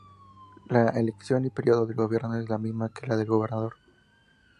La elección y periodo de gobierno es la misma que la del gobernador.